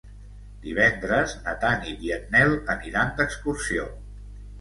Divendres na Tanit i en Nel aniran d'excursió.